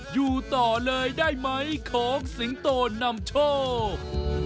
อยู่ต่อเลยได้ไหมของสิงโตนำโชค